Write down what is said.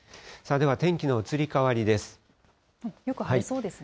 では天気の移り変わりです。